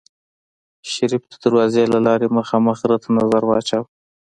شريف د دروازې له لارې مخامخ غره ته نظر واچوه.